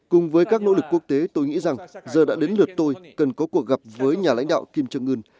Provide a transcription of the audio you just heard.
cùng với các nỗ lực quốc tế tôi nghĩ rằng giờ đã đến lượt tôi cần có cuộc gặp với nhà lãnh đạo kim trương ưn